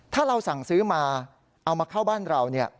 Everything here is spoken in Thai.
ถ้าเราสั่งซื้อมาเอามาเข้าบ้านเรา